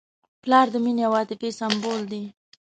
پلار د مینې او عاطفې سمبول دی.